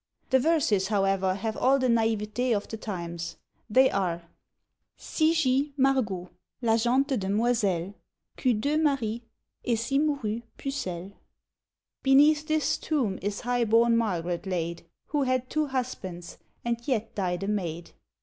The verses however have all the naïveté of the times. They are Cy gist Margot, la gente demoiselle, Qu'eut deux maris, et si mourut pucelle. Beneath this tomb is high born Margaret laid, Who had two husbands, and yet died a maid.